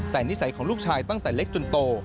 แต่นิสัยของลูกชายตั้งแต่เล็กจนโต